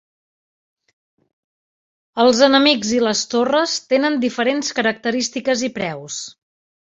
Els enemics i les torres tenen diferents característiques i preus.